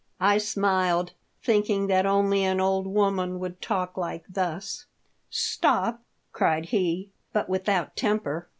I smiled, thinking that only an old woman would talk thus. "Stop!" cried he, but without temper.